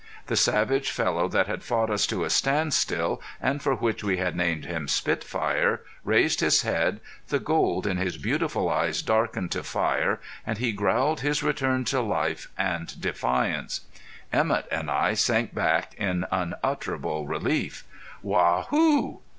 The savage fellow that had fought us to a standstill, and for which we had named him Spitfire, raised his head, the gold in his beautiful eyes darkened to fire and he growled his return to life and defiance. Emett and I sank back in unutterable relief. "Waa hoo!"